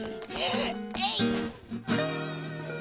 えい！